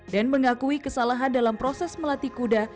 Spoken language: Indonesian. dan mengakui kesalahan dalam proses melatih kuda